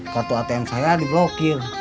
kartu atm saya di blokir